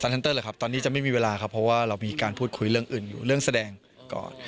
เซ็นเตอร์เลยครับตอนนี้จะไม่มีเวลาครับเพราะว่าเรามีการพูดคุยเรื่องอื่นอยู่เรื่องแสดงก่อน